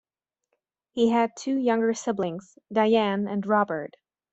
He had two younger siblings: Diane and Robert.